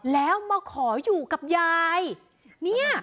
แล้วมาขออยู่กับยาย